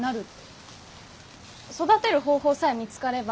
育てる方法さえ見つかれば。